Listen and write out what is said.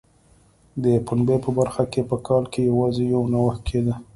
د پنبې په برخه کې په کال کې یوازې یو نوښت کېده.